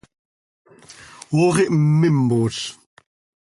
Ox ihmmimoz.